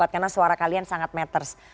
karena suara kalian sangat matters